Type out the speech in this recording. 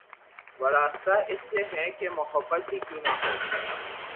وارستہ اس سے ہیں کہ‘ محبت ہی کیوں نہ ہو